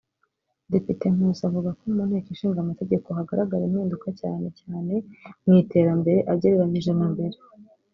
Depite Nkusi avuga ko mu nteko ishinga amategeko hagaragara impinduka cyane cyane mu iterambere agereranije na mbere